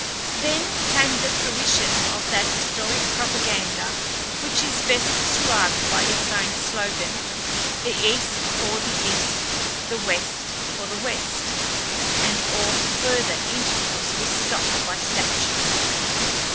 Then came the fruition of that historic propaganda which is best described by its own slogan: "The East for the East—the West for the West," and all further intercourse was stopped by statute.